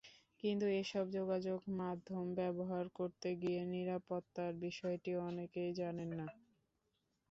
কিন্তু এসব যোগাযোগমাধ্যম ব্যবহার করতে গিয়ে নিরাপত্তার বিষয়টি অনেকেই জানেন না।